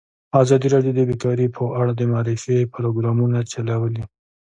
ازادي راډیو د بیکاري په اړه د معارفې پروګرامونه چلولي.